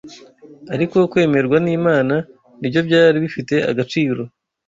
ariko kwemerwa n’Imana nibyo byari bifite agaciro